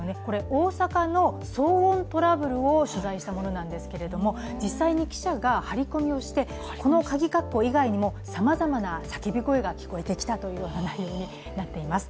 大阪の騒音トラブルを取材したものなんですけれども実際に記者が張り込みをしてこのカギ括弧以外にもさまざまな叫び声が聞こえてきたという内容になっています。